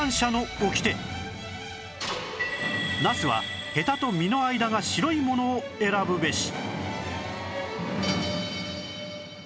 ナスはヘタと実の間が白いものを選ぶべし！